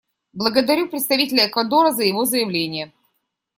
Благодарю представителя Эквадора за его заявление.